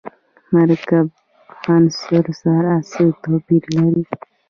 مرکب له عنصر سره څه توپیر لري.